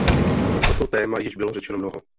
Na toto téma již bylo řečeno mnoho.